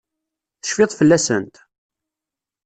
Tecfid fell-asent?